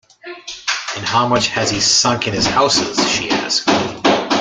“And how much has he sunk in his houses?” she asked.